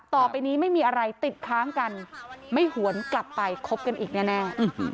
ต่อไปนี้ไม่มีอะไรติดค้างกันไม่หวนกลับไปคบกันอีกแน่